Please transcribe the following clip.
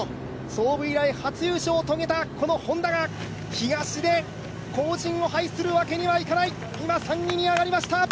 創部以来初優勝を遂げたＨｏｎｄａが東で後塵を拝するわけにはいかない、今、３位に上がりました。